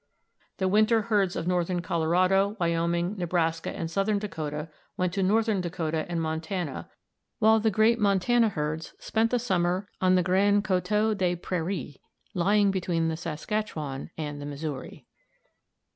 The winter herds of northern Colorado, Wyoming, Nebraska, and southern Dakota went to northern Dakota and Montana, while the great Montana herds spent the summer on the Grand Coteau des Prairies lying between the Saskatchewan and the Missouri.